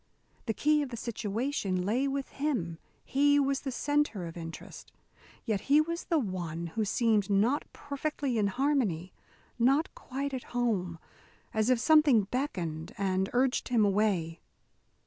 The key of the situation lay with him. He was the centre of interest. Yet he was the one who seemed not perfectly in harmony, not quite at home, as if something beckoned and urged him away.